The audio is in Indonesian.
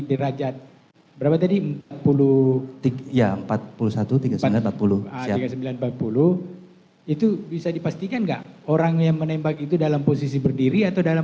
empat puluh empat puluh itu bisa dipastikan enggak orang yang menembak itu dalam posisi berdiri atau dalam